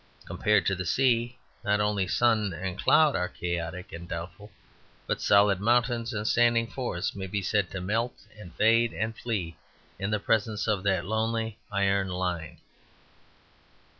Compared to the sea, not only sun and cloud are chaotic and doubtful, but solid mountains and standing forests may be said to melt and fade and flee in the presence of that lonely iron line.